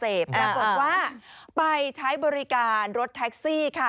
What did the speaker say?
แล้วก็บอกว่าไปใช้บริการรถแท็กซี่ค่ะ